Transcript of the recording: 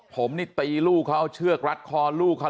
ผมนี่ตีลูกเขาเอาเชือกรัดคอลูกเขา